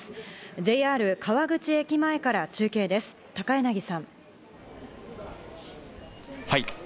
ＪＲ川口駅前から中継です、はい。